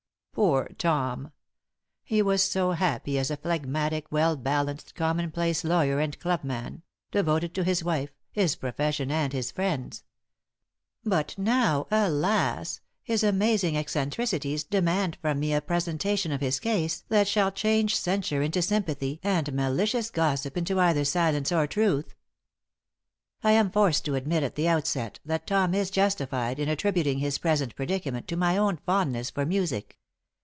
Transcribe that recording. Poor Tom! He was so happy as a phlegmatic, well balanced, common place lawyer and clubman, devoted to his wife, his profession and his friends! But now, alas, his amazing eccentricities demand from me a presentation of his case that shall change censure into sympathy and malicious gossip into either silence or truth. I am forced to admit at the outset that Tom is justified in attributing his present predicament to my own fondness for music.